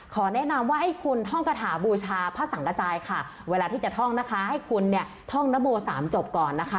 แนะนำว่าให้คุณท่องกระถาบูชาพระสังกระจายค่ะเวลาที่จะท่องนะคะให้คุณเนี่ยท่องนโมสามจบก่อนนะคะ